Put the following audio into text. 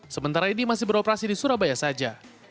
sementara ini masih beroperasi di surabaya saja